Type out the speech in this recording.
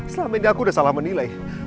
selama ini aku udah salah menilai